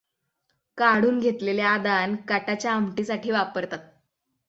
काढून घेतलेले आदान कटाच्या आमटीसाठी वापरतात.